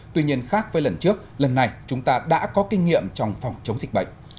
tuy nhiên khác với lần trước lần này chúng ta đã có kinh nghiệm trong phòng chống dịch bệnh